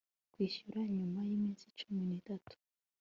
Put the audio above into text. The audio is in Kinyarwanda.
kwishyurwa nyuma y iminsi cumi n itanu